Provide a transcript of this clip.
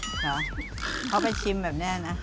เหรอเพราะเป็นชิมแบบแน่นะ